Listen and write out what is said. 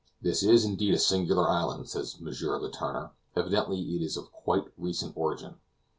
"This is indeed a singular island," said M. Letourneur; "evidently it is of quite recent origin."